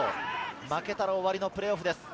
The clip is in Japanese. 負けたら終わりのプレーオフです。